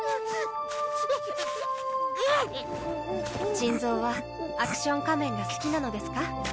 珍蔵はアクション仮面が好きなのですか？